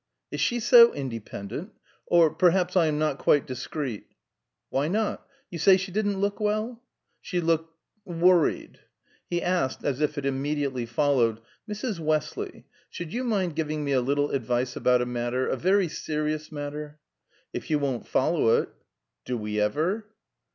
"Is she so independent? Or perhaps I am not quite discreet " "Why not? You say she didn't look well?" "She looked worried." He asked, as if it immediately followed, "Mrs. Westley, should you mind giving me a little advice about a matter a very serious matter?" "If you won't follow it." "Do we ever?"